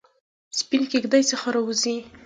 سپینې کیږ دۍ څخه راووزي